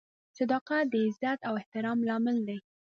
• صداقت د عزت او احترام لامل دی.